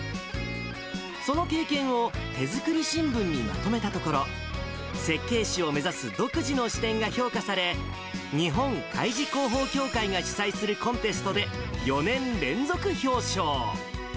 その経験を、手作り新聞にまとめたところ、設計士を目指す独自の視点が評価され、日本海事広報協会が主催するコンテストで４年連続表彰。